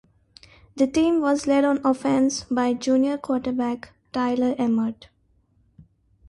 The team was led on offense by junior quarterback Tyler Emmert.